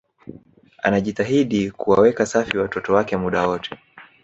anajitahidi kuwaweka safi watoto wake muda wote